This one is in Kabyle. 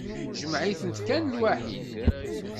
Jmeɛ-itent kan lwaḥid.